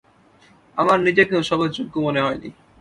আমার নিজেকে ওসবের যোগ্য মনে হয়নি।